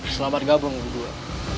selamat gabung bu dua